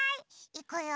いくよ。